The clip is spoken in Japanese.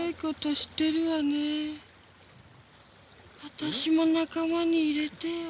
「私も仲間に入れてよ」